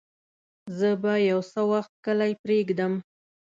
زه به يو څه وخت کلی پرېږدم.